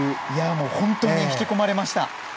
本当に引き込まれました。